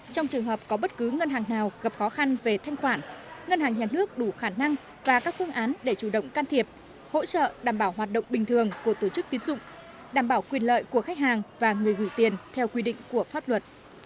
trong trường hợp có bất cứ ngân hàng nào gặp khó khăn về thanh khoản ngân hàng nhà nước đủ khả năng và các phương án để chủ động can thiệp hỗ trợ đảm bảo hoạt động bình thường của tổ chức tiến dụng đảm bảo quyền lợi của khách hàng và người gửi tiền theo quy định của pháp luật